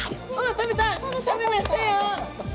食べましたよ！